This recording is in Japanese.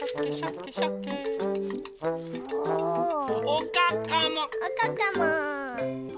おかかも。